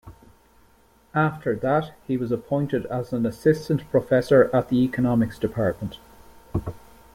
After that, he was appointed as an Assistant Professor at the Economics Department.